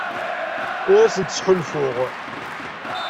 Ur asent-ttḥulfuɣ.